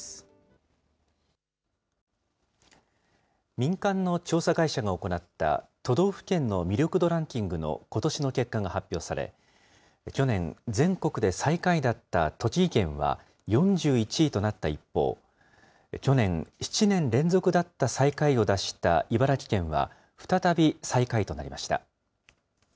民間の調査会社が行った都道府県の魅力度ランキングのことしの結果が発表され、去年、全国で最下位だった栃木県は４１位となった一方、去年、７年連続だった最下位を脱した茨城県は、再び最下位となりました。